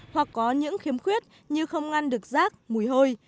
hoặc có những khiếm khuyết như không ngăn được rác mùi hôi